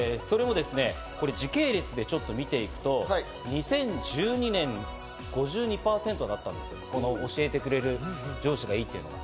時系列でちょっと見ていくと、２０１２年は５２％だったんですよ、この教えてくれる上司がいいというのが。